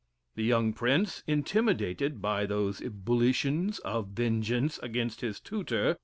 The young prince, intimidated by those ebullitions of vengeance against his tutor?